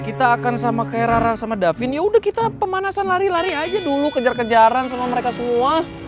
kita akan sama keheraran sama davin yaudah kita pemanasan lari lari aja dulu kejar kejaran sama mereka semua